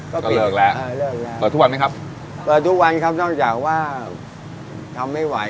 ก็ปิดอีกแล้วเปิดทุกวันไหมครับเปิดทุกวันครับนอกจากว่าทำไม่ไหว